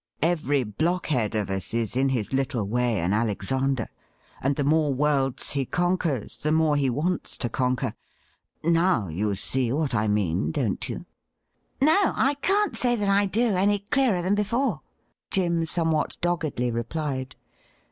Every blockhead of us is in his little way an Alexander, and the more worlds he conquers the more he wants to conquer. Now you see what I mean, don't you ?'' No, I can't say that I do any clearer than before,' Jim somewhat doggedly replied.